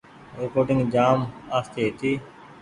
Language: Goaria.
ريڪوڊنگ جآم آستي هيتي۔